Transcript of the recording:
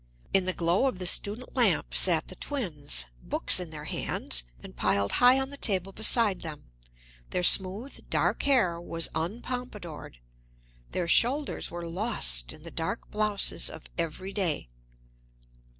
In the glow of the student lamp sat the twins, books in their hands and piled high on the table beside them; their smooth, dark hair was unpompadoured, their shoulders were lost in the dark blouses of every day.